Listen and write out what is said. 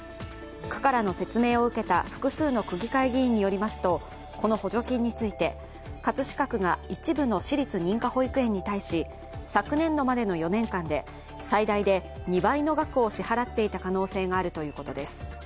区からの説明を受けた複数の区議会議員によりますとこの補助金について葛飾区が一部の私立認可保育園に対し昨年度までの４年間で最大で２倍の額を支払っていた可能性があるということです。